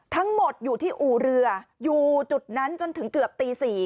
ทั้งหมดอยู่ที่อู่เรืออยู่จุดนั้นจนถึงเกือบตี๔